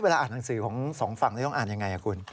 เวลาอ่านหนังสือของสองฝั่งจะต้องอ่านอย่างไรครับกูล